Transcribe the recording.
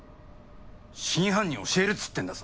真犯人教えるっつってんだぞ？